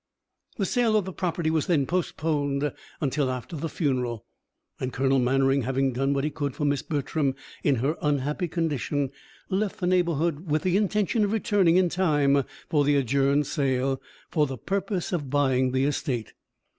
The sale of the property was then postponed until after the funeral; and Colonel Mannering, having done what he could for Miss Bertram in her unhappy condition, left the neighbourhood with the intention of returning in time for the adjourned sale, for the purpose of buying the estate.